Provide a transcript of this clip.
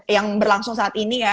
yang berlangsung saat ini ya